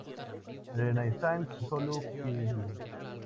Renaissance Solo-kyun!